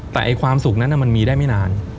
แต่ความสุขนั้นมันมีได้ไม่นาน